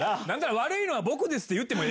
悪いのは僕です！って言ってもええ